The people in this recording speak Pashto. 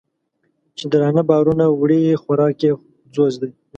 چې درانه بارونه وړي خوراک یې ځوځ وي